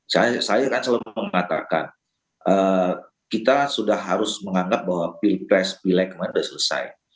saya kan selalu mengatakan kita sudah harus menganggap bahwa pilpres pileg kemarin sudah selesai